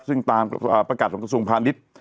ซึ่งตามประกัติของจังสรุปพาณิชย์